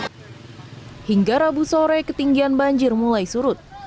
pada minggu sore ketinggian banjir mulai surut